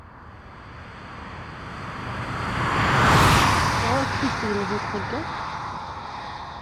Γur-k tissegnit n txeyyaṭ?